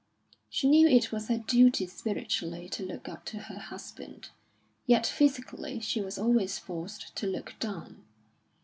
She knew it was her duty spiritually to look up to her husband, yet physically she was always forced to look down.